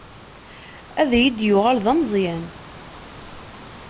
Ad iyi-d-yuɣal d ameẓyan.